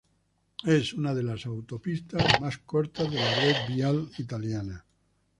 Es una de las autopistas más cortas de la red vial italiana.